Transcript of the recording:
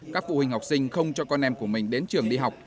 các phụ huynh học sinh không cho con em của mình đến trường đi học